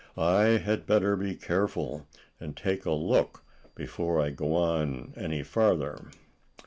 "I had better be careful, and take a look before I go on any farther."